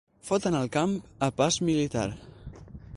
Foten el camp a pas militar.